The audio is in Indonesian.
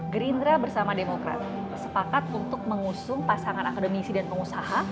gerindra bersama demokrat sepakat untuk mengusung pasangan akademisi dan pengusaha